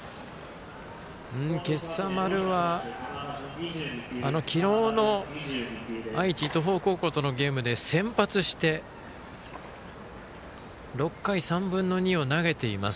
今朝丸は、昨日の愛知・東邦高校とのゲームで先発して６回３分の２を投げています。